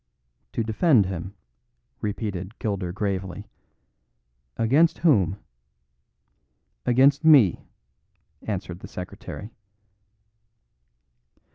"To defend him," repeated Gilder gravely. "Against whom?" "Against me," answered the secretary.